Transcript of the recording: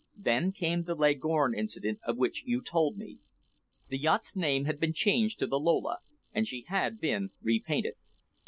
Then came the Leghorn incident of which you told me. The yacht's name had been changed to the Lola, and she had been repainted.